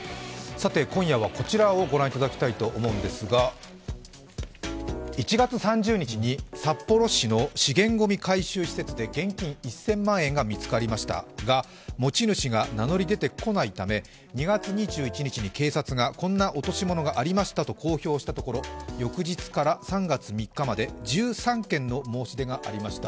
今夜はこちらをご覧いただきたいと思うんですが、１月３０日に札幌市の資源ごみ回収施設で現金１０００万円が見つかりましたが、持ち主が名乗り出てこないため２月２１日に警察がこんな落とし物がありましたと公表したところ、翌日から３月３日まで１３件の申し出がありました。